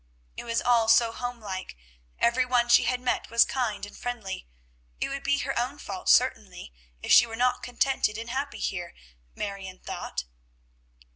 It was all so homelike; every one she had met was kind and friendly. It would be her own fault certainly if she were not contented and happy here, Marion thought.